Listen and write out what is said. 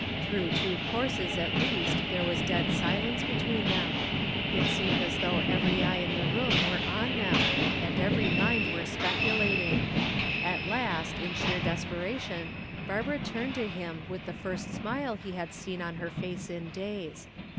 Through two courses, at least, there was dead silence between them. It seemed as though every eye in the room were on them and every mind were speculating. At last, in sheer desperation, Barbara turned to him with the first smile he had seen on her face in days.